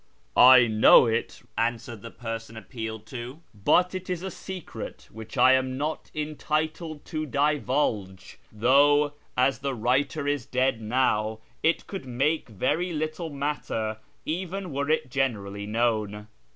" I know it," answered the person appealed to, " but it is a secret which I am not entitled to divulge, though, as the writer is dead now, it could make very little matter even were it generally known.